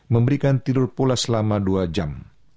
memberikan tidur pula selama dua jam